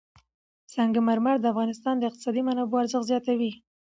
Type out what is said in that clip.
سنگ مرمر د افغانستان د اقتصادي منابعو ارزښت زیاتوي.